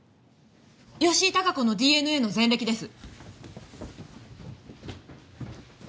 吉井孝子のＤＮＡの前歴です。